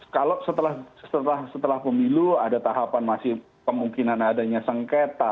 kalau setelah pemilu ada tahapan masih kemungkinan adanya sengketa